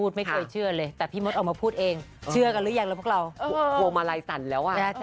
เจาะแจ๊ะริมเจาะ